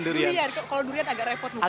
durian kalau durian agak repot mungkin